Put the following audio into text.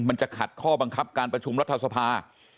มันจะขัดข้อบังคับการประชุมรัฐสภา